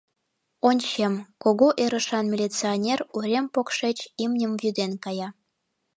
Ончем, кугу ӧрышан милиционер урем покшеч имньым вӱден кая.